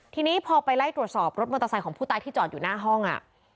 ทีนี้พอไปไล่ตรวจสอบรถมอเตอร์ไซค์ของผู้ตายที่จอดอยู่หน้าห้องอ่ะ